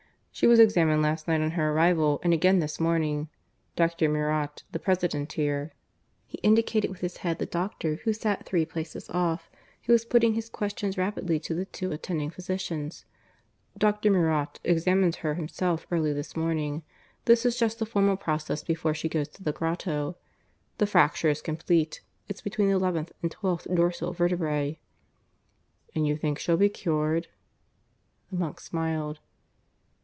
"She was examined last night on her arrival, and again this morning. Dr. Meurot, the President here" (he indicated with his head the doctor who sat three places off, who was putting his questions rapidly to the two attending physicians) "Dr. Meurot examined her himself early this morning. This is just the formal process before she goes to the grotto. The fracture is complete. It's between the eleventh and twelfth dorsal vertebrae." "And you think she'll be cured?" The monk smiled.